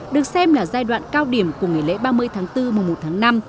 được xem là giai đoạn cao điểm của ngày lễ ba mươi tháng bốn và một tháng năm